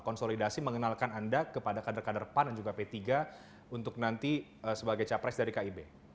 konsolidasi mengenalkan anda kepada kader kader pan dan juga p tiga untuk nanti sebagai capres dari kib